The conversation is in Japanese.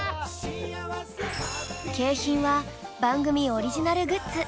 景品は番組オリジナルグッズ。